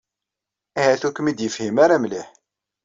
Ahat ur kem-id-yefhim ara mliḥ.